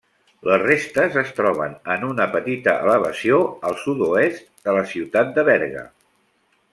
Les restes es troben en una petita elevació al sud-oest de la ciutat de Berga.